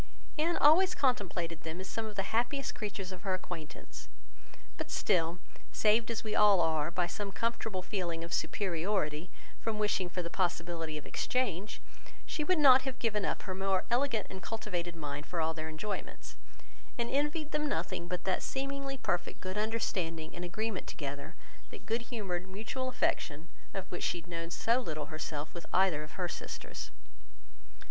Anne always contemplated them as some of the happiest creatures of her acquaintance; but still, saved as we all are, by some comfortable feeling of superiority from wishing for the possibility of exchange, she would not have given up her own more elegant and cultivated mind for all their enjoyments; and envied them nothing but that seemingly perfect good understanding and agreement together, that good humoured mutual affection, of which she had known so little herself with either of her sisters.